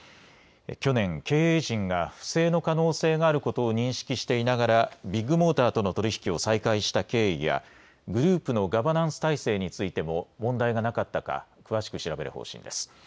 去年、経営陣が不正の可能性があることを認識していながらビッグモーターとの取り引きを再開した経緯や、グループのガバナンス体制についても問題がなかったか詳しく調べる方針です。